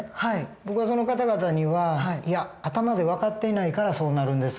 僕はその方々にはいや頭で分かっていないからそうなるんです。